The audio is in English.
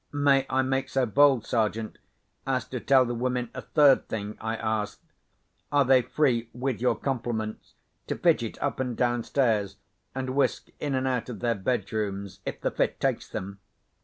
"May I make so bold, Sergeant, as to tell the women a third thing?" I asked. "Are they free (with your compliments) to fidget up and downstairs, and whisk in and out of their bedrooms, if the fit takes them?"